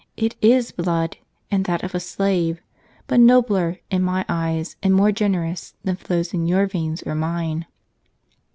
It is blood, and that of a slave ; but nobler, in my eyes, and more generous, than flows in your veins or mine."